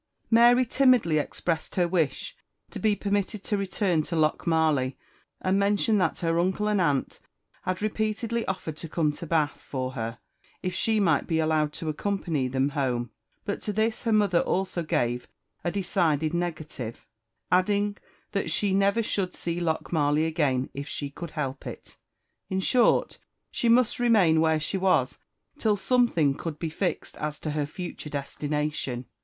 Mary timidly expressed her wish to be permitted to return to Lochmarlie, and mentioned that her uncle and aunt had repeatedly offered to come to Bath for her, if she might be allowed to accompany them home; but to this her mother also gave a decided negative, adding that she never should see Lochmarlie again, if she could help it. In short, she must remain where she was till something could be fixed as to her future destination.